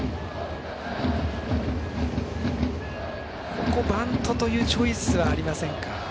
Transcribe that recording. ここ、バントというチョイスはありませんか？